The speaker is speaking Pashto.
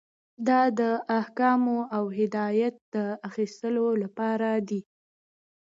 دا د احکامو او هدایت د اخیستلو لپاره دی.